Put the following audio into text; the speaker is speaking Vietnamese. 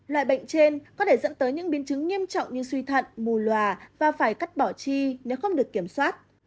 loại bệnh trên có thể dẫn tới những biến chứng nghiêm trọng như suy thận mù loà và phải cắt bỏ chi nếu không được kiểm soát